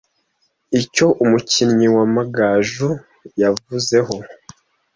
Icyo umukinnyi wa magaju yabivuzeho